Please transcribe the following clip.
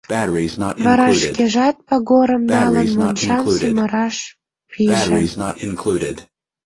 Вара шкежат, пагорым налын, мончам сӱмыраш пиже.